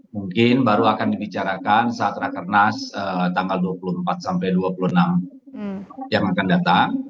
mungkin baru akan dibicarakan saat rakernas tanggal dua puluh empat sampai dua puluh enam yang akan datang